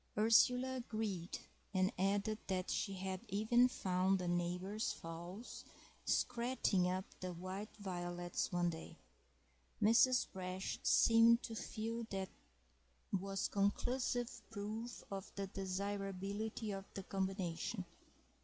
Ursula agreed, and added that she had even found the neighbours' fowls scratting up the white violets one day. Mrs. Brash seemed to feel that was conclusive proof of the desirability of the combination.